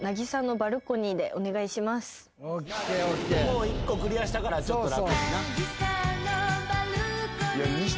もう１個クリアしたからちょっと楽にな。